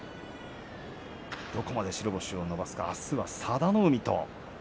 どこまで白星を伸ばせるかあすは佐田の海と。